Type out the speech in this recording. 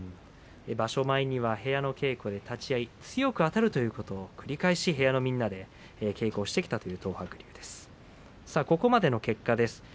場所前には部屋の稽古で立ち合い強くあたるということを繰り返し部屋のみんなで稽古をしてきたということです。